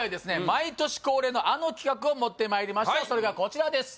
毎年恒例のあの企画を持ってまいりましたそれがこちらです